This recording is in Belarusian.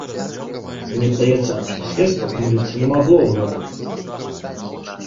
Мне падаецца, што следства памыліцца не магло ў гэтым.